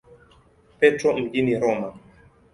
Petro mjini Roma.